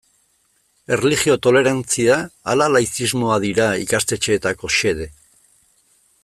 Erlijio tolerantzia ala laizismoa dira ikastetxeetako xede?